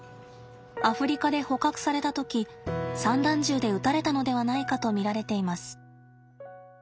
アフリカで捕獲された時散弾銃で撃たれたのではないかと見られています。